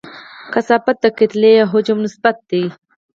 کثافت د کتلې او حجم نسبت دی.